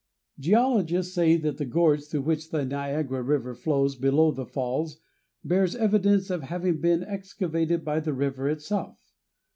Geologists say that the gorge through which the Niagara River flows below the falls bears evidence of having been excavated by the river itself.